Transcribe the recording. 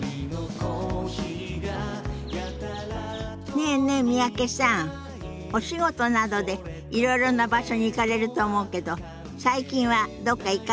ねえねえ三宅さんお仕事などでいろいろな場所に行かれると思うけど最近はどっか行かれました？